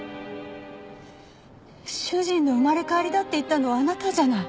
主人の生まれ変わりだって言ったのはあなたじゃない。